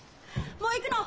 もう行くの？